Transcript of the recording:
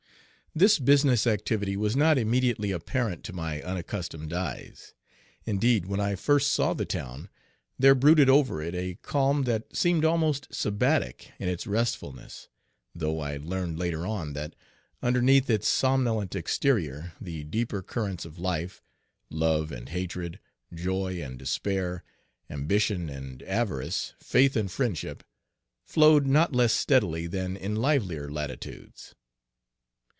This business activity was not immediately apparent to my unaccustomed eyes. Indeed, when I first saw the town, there brooded over it a calm that seemed almost sabbatic in its restfulness, though I learned later on that underneath its somnolent exterior the deeper currents of life love and hatred, joy and despair, ambition and avarice, faith and friendship flowed not less steadily than in livelier latitudes.